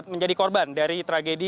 menjadi korban dari tragedi